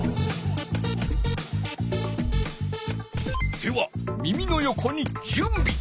手は耳のよこにじゅんび！